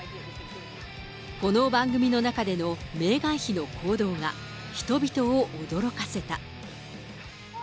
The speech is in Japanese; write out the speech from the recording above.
この番組の中でのメーガン妃の行動が、人々を驚かせた。